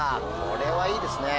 これはいいですね。